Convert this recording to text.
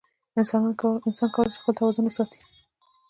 انسان کولی شي خپل توازن وساتي.